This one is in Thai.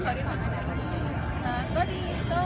แม่กับผู้วิทยาลัย